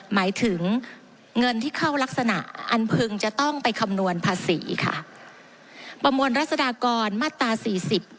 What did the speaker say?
หมายถึงเงินที่เข้ารักษณะอันพึงจะต้องไปคำนวณภาษีค่ะประมวลรัศดากรมาตราสี่สิบ